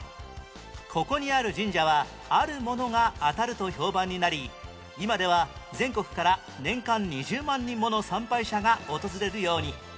ここにある神社はあるものが当たると評判になり今では全国から年間２０万人もの参拝者が訪れるように